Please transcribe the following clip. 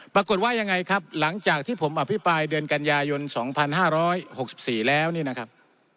ปรากฏว่ายังไงครับหลังจากที่ผมอภิปรายเดือนกันยายน๒๕๖๔แล้วนี่นะครับ